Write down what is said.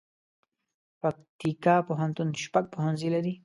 پکتیکا پوهنتون شپږ پوهنځي لري